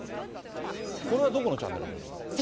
これはどこのチャンネルで見れるの？